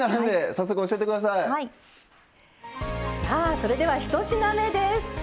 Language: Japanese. さあそれでは１品目です。